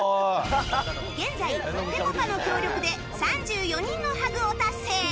現在、ぺこぱの協力で３４人のハグを達成。